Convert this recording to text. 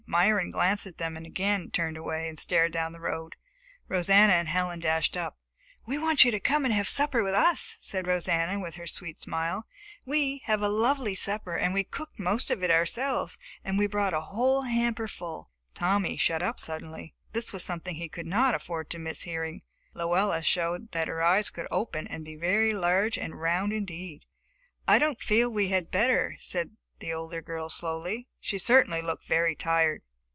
Myron glanced at them and again turned away and stared down the road. Rosanna and Helen dashed up. "We want you to come and have supper with us," said Rosanna, with her sweet smile. "We have a lovely supper and we cooked most of it ourselves, and we brought a whole hamper full." Tommy shut up suddenly. This was something he could not afford to miss hearing. Luella showed that her eyes could open and be very large and round indeed. "I don't feel we had better," said the older girl slowly. She certainly looked very tired.